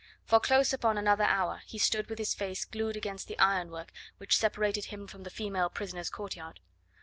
For close upon another hour he stood with his face glued against the ironwork which separated him from the female prisoners' courtyard.